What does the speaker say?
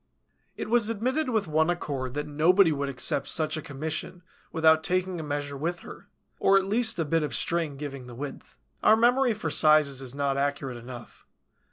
It was admitted with one accord that nobody would accept such a commission without taking a measure with her, or at least a bit of string giving the width. Our memory for sizes is not accurate enough.